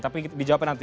tapi dijawabkan nanti